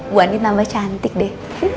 bu andien nambah cantik deh